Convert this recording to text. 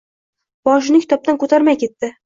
Boshini kitobdan koʻtarmay ketdi.